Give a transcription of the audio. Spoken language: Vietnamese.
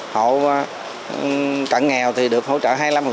hộ cận nghèo thì được hỗ trợ hai mươi năm